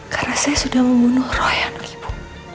karena saya sudah membunuh roy anak ibu